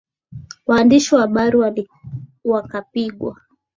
waandishi wa habari wakapigwa